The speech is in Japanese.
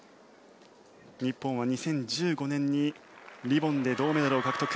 日本は２０１５年にリボンで銅メダルを獲得。